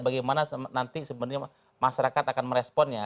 bagaimana nanti sebenarnya masyarakat akan meresponnya